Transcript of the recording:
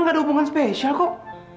gak ada hubungan spesial kok